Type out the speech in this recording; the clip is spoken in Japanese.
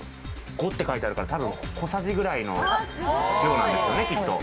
５って書いてあるから、小さじくらいの量なんですよね、きっと。